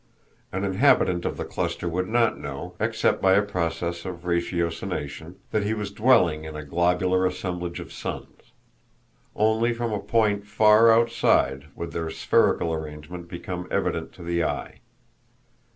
An inhabitant of the cluster would not know, except by a process of ratiocination, that he was dwelling in a globular assemblage of suns; only from a point far outside would their spherical arrangement become evident to the eye.